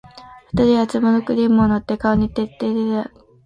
二人は壺のクリームを、顔に塗って手に塗って